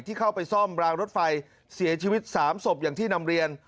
เข้าไปซ่อมรางรถไฟเสียชีวิต๓ศพอย่างที่นำเรียน